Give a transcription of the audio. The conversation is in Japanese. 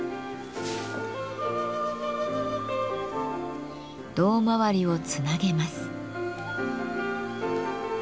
胴まわりをつなげます。